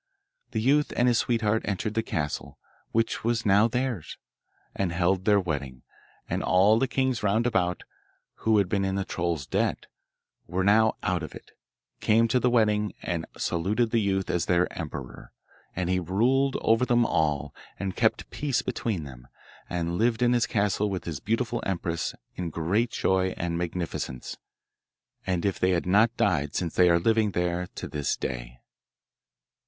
The youth and his sweetheart entered the castle, which was now theirs, and held their wedding; and all the kings roundabout, who had been in the troll's debt, and were now out of it, came to the wedding, and saluted the youth as their emperor, and he ruled over them all, and kept peace between them, and lived in his castle with his beautiful empress in great joy and magnificence. And if they have not died since they are living there to this day.